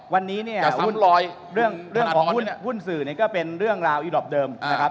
วันนี้เนี่ยเรื่องของหุ้นสื่อเนี่ยก็เป็นเรื่องราวอีดอปเดิมนะครับ